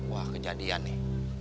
wah kejadian nih